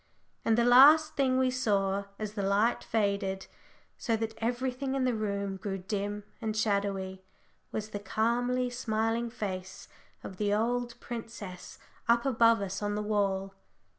And the last thing we saw as the light faded, so that everything in the room grew dim and shadowy, was the calmly smiling face of the "old princess" up above us on the wall.